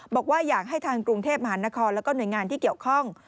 บอกว่าอยากให้ทางกรุงเทพมหานครแล้วก็หน่วยงานที่เกี่ยวข้อง